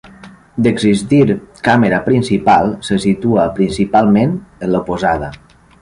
D'existir càmera principal, se situa principalment en l'oposada.